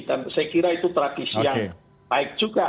dan saya kira itu tradisi yang baik juga